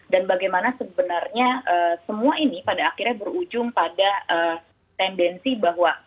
dan bagaimana sebenarnya semua ini pada akhirnya berujung pada tendensi bahwa